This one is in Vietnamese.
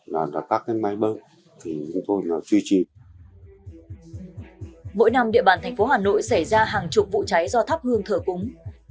mỗi năm địa bàn thành phố hà nội xảy ra hàng chục vụ cháy do thắp hương thờ cúng